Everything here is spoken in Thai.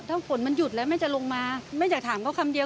ถ้าฝนมันหยุดแล้วแม่จะลงมาแม่อยากถามเขาคำเดียว